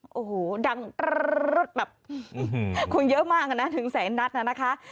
โอ้โหดังแบบคงเยอะมากนะ๑๐๐๐๐๐นัทน่ะนะคะ